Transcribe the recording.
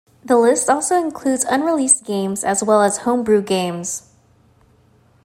This list also includes unreleased games as well as homebrew games.